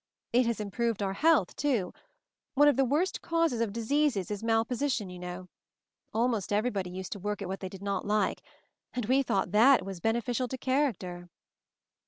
It has im proved our health, too. One of the worst causes of disease is mal position, you know. Almost everybody used to work at what they did not like — and we thought it was beneficial to character!"